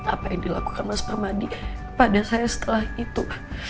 apa yang dilakukan mas pramadi kepada saya setelah itu